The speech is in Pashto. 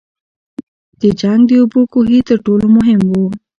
د جنګ د اوبو کوهي تر ټولو مهم وو.